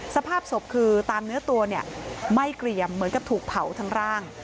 สภาพศพคือตามเนื้อตัวเนี่ยไม่เกลี่ยมเหมือนกับถูกเผาทั้งร่าง